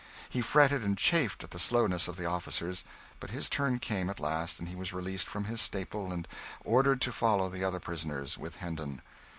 He fretted and chafed at the slowness of the officers, but his turn came at last, and he was released from his staple and ordered to follow the other prisoners with Hendon.